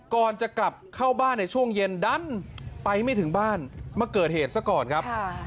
ก่อนจะกลับเข้าบ้านในช่วงเย็นดันไปไม่ถึงบ้านมาเกิดเหตุซะก่อนครับ